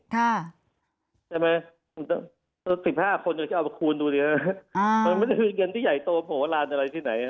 ใช่ไหมสิบห้าคนก็เนวเอามาคูณดูดีครับมันไม่ได้ชื่อเรียนที่ใหญ่โตโบหารอะไรที่ไหน